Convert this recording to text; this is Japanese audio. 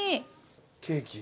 ケーキ。